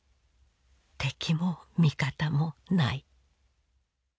敵も味方もない。